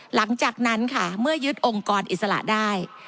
หลังจากนั้นค่ะเมื่อยึดองค์กรอิสระได้